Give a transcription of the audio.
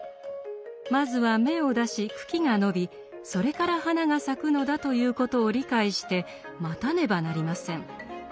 まずは芽を出し茎が伸びそれから花が咲くのだということを理解して待たねばなりません。